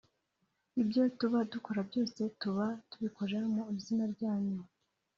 ibyo tuba dukora byose tuba tubikora mu izina ryanyu